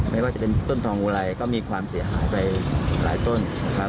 ไม่ว่าจะเป็นต้นทองอุไรก็มีความเสียหายไปหลายต้นนะครับ